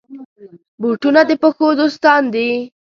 بوټونه د پښو دوستان دي.